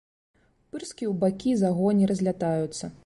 Пырскі ў бакі за гоні разлятаюцца.